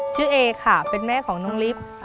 ชื่อเอค่ะเป็นแม่ของน้องลิฟ